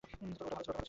ওটা ভাল ছিল।